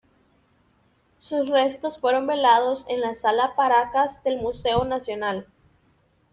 Sus restos fueron velados en la Sala Paracas del Museo Nacional.